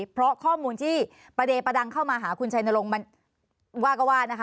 เพราะข้อมูลที่ประเด็นประดังเข้ามาหาคุณชัยนรงค์มันว่าก็ว่านะคะ